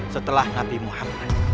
setelah nabi muhammad